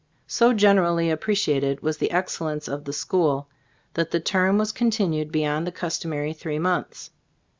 So generally appreciated was the excel lence of the school that the term was continued beyond the customary three months.